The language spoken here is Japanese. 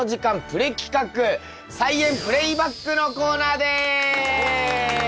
プレ企画「菜園プレイバック」のコーナーです。